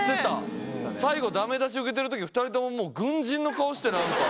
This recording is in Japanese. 最後駄目出し受けてるとき２人とももう軍人の顔して何か。